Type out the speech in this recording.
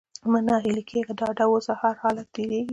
مه ناهيلی کېږه! ډاډه اوسه! هرحالت تېرېږي.